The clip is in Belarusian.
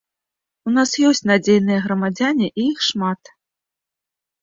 У нас ёсць надзейныя грамадзяне і іх шмат.